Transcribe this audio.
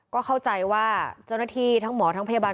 ก็เข้าใจว่าเจ้าหน้าที่ทั้งหมอทั้งพยาบาล